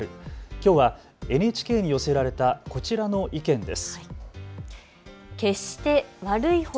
きょうはＮＨＫに寄せられたこちらの意見です。